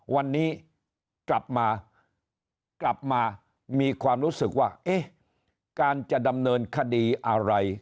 วันนี้กลับมากลับมามีความรู้สึกว่าเอ๊ะการจะดำเนินคดีอะไร